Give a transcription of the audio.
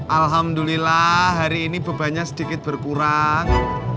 alhamdulillah hari ini bebannya sedikit berkurang